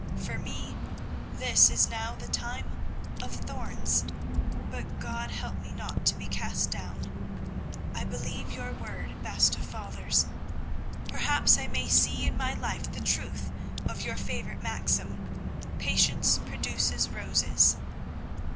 For me, this is now the time of thorns; but God help me not to be cast down! I believe your word, best of fathers. Perhaps I may see in my life the truth of your favourite maxim 'Patience produces roses.'"